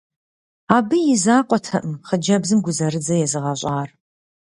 Абы и закъуэтэкъым хъыджэбзым гузэрыдзэ езыгъэщӏар.